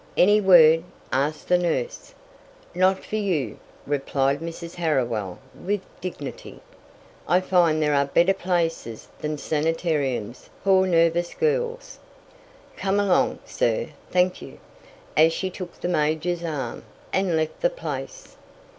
"Any word?" asked the nurse. "Not for you," replied Mrs. Harriwell with dignity, "I find there are better places than sanitariums for nervous girls. Come along, sir. Thank you," as she took the major's arm, and left the place.